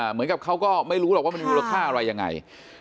เหมือนกับเขาก็ไม่รู้หรอกว่ามันมีมูลค่าอะไรยังไง